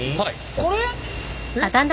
これ。